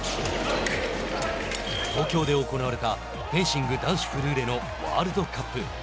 東京で行われたフェンシング男子フルーレのワールドカップ。